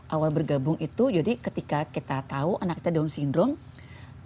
awal bergabung itu jadi ketika kita tahu anak kita down syndrome